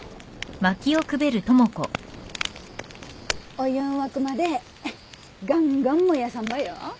お湯ん沸くまでガンガン燃やさんばよ。